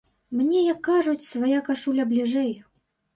Мне, як кажуць, свая кашуля бліжэй.